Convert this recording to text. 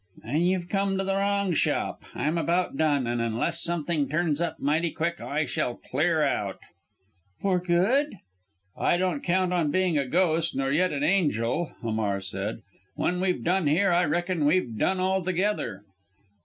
"Then you've come to the wrong shop! I'm about done, and unless something turns up mighty quick I shall clear out." "For good?" "I don't count on being a ghost nor yet an angel," Hamar said; "when we've done here, I reckon we've done altogether!"